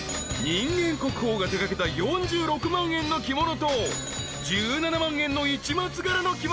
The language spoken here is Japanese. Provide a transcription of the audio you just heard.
［人間国宝が手掛けた４６万円の着物と１７万円の市松柄の着物］